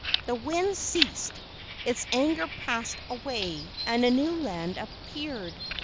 The wind ceased, its anger passed away, and a new land appeared.